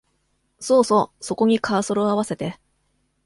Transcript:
そうそう、そこにカーソルをあわせて